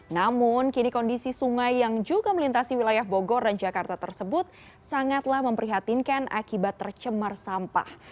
namun kini kondisi sungai yang juga melintasi wilayah bogor dan jakarta tersebut sangatlah memprihatinkan akibat tercemar sampah